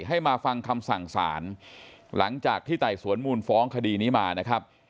ให้มาฟังคำสั่งสารหลังจากที่ไต่สวนมูลฟ้องคดีนี้มานะครับ